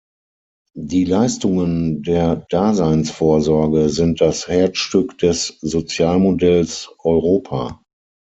Die Leistungen der Daseinsvorsorge sind das Herzstück des Sozialmodells Europa.